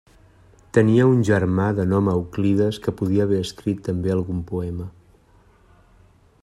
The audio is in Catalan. Tenia un germà de nom Euclides que podria haver escrit també algun poema.